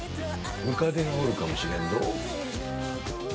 ムカデがおるかもしれんぞー。